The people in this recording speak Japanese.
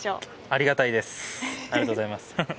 ありがとうございます。